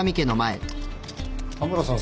田村さん